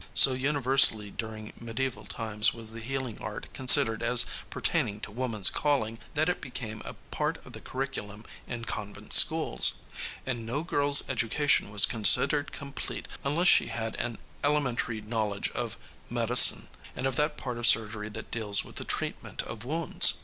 So universally during mediæval times was the healing art considered as pertaining to woman's calling that it became a part of the curriculum in convent schools; and no girl's education was considered complete unless she had an elementary knowledge of medicine and of that part of surgery which deals with the treatment of wounds.